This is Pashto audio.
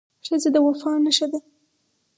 ښځه د وفا نښه ده.